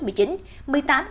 tính đến ngày hai mươi tháng một